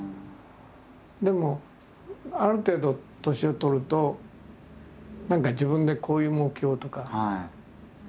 でもある程度年を取ると何か自分でこういう目標とか。